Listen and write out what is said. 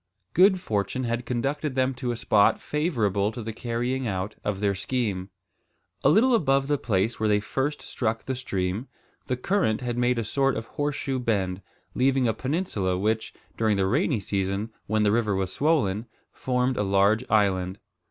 Good fortune had conducted them to a spot favourable to the carrying out of their scheme. A little above the place where they first struck the stream, the current had made a sort of horseshoe bend, leaving a peninsula, which, during the rainy season when the river was swollen, formed a large island.